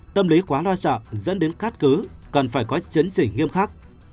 tâm lý quá lo sợ dẫn đến khát cứ cần phải có chấn chỉ nghiêm khắc